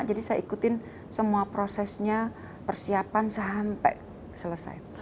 jadi saya ikutin semua prosesnya persiapan sampai selesai